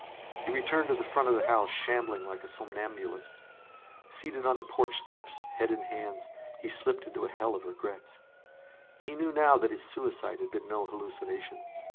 He returned to the front of the house, shambling like a somnambulist. Seated on the porch steps, head in hands, he slipped into a hell of regrets. He knew now that his suicide had been no hallucination.